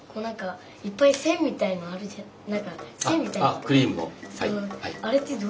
あっクリームの。